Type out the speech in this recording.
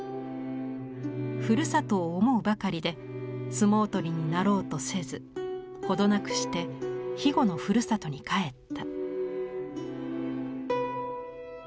故郷を想うばかりで相撲取りになろうとせず程なくして肥後の故郷に帰った」。